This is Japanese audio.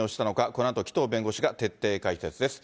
このあと、紀藤弁護士が徹底解説です。